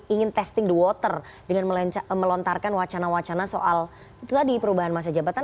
ingin testing the water dengan melontarkan wacana wacana soal itu tadi perubahan masa jabatan